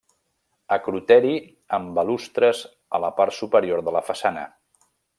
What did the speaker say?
Acroteri amb balustres a la part superior de la façana.